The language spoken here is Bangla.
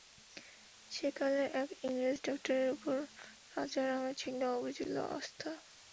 সেকালের এক ইংরেজ ডাক্তারের উপর রাজারামের ছিল অবিচলিত আস্থা।